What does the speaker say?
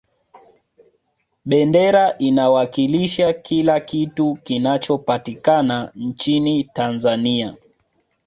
bendera inawakilisha kila kitu kinachopatikana nchini tanzania